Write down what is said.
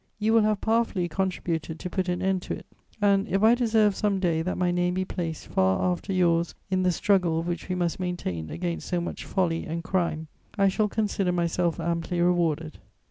You will have powerfully contributed to put an end to it; and, if I deserve some day that my name be placed far after yours in the struggle which we must maintain against so much folly and crime, I shall consider myself amply rewarded.